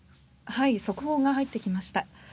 速報が入ってきました。